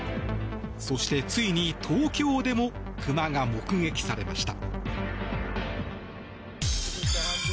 そして、ついに東京でもクマが目撃されました。